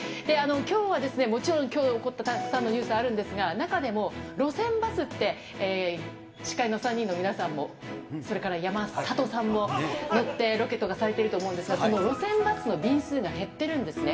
きょうはもちろん、きょう起こった、たくさんのニュースあるんですが、中でも路線バスって、司会の３人の皆さんも、それからやまさとさんも乗って、ロケとかされてると思うんですが、その路線バスの便数が減ってるんですね。